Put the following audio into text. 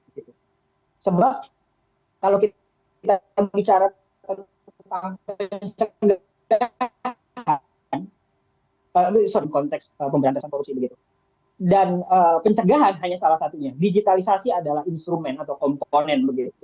sebab kalau kita bicara tentang konteks pemberantasan korupsi dan pencegahan hanya salah satunya digitalisasi adalah instrumen atau komponen